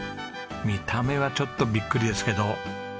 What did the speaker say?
見た目はちょっとビックリですけど。